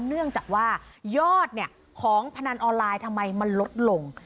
เนื่องจากว่ายอดของพนันออนไลน์ทำไมมันลดลง